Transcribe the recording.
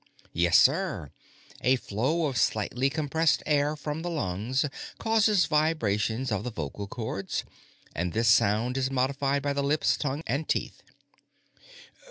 "Yes, sir. A flow of slightly compressed air from the lungs causes vibration of the vocal cords, and this sound is modified by the lips, tongue, and teeth."